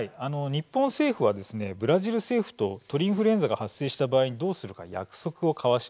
日本政府はブラジル政府と鳥インフルエンザが発生した場合どうするか約束を交わしてます。